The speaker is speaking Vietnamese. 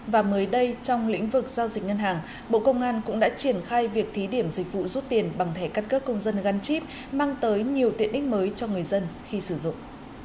và mới đây trong lĩnh vực giao dịch ngân hàng bộ công an cũng đã triển khai việc thí điểm dịch vụ rút tiền bằng thẻ căn cước công dân gắn chip mang tới nhiều tiện ích mới cho người dân khi sử dụng